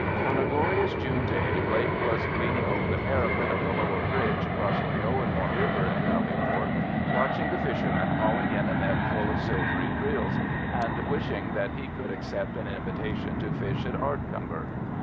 On a glorious June day Blake was leaning over the parapet of the lower bridge crossing the Owenmore river in Ballybor, watching the fishermen hauling in a net full of silvery grilse, and wishing that he could accept an invitation to fish at Ardcumber.